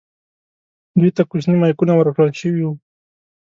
دوی ته کوچني مایکونه ورکړل شوي وو.